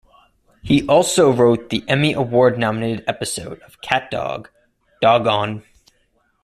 He also wrote the Emmy Award-nominated episode of "CatDog" "Doggone".